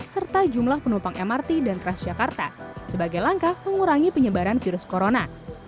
serta jumlah penumpang mrt dan transjakarta sebagai langkah mengurangi penyebaran virus corona